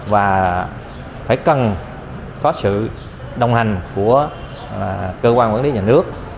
và phải cần có sự đồng hành của cơ quan quản lý nhà nước